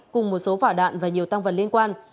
cùng một số vỏ đạn và nhiều tăng vật liên quan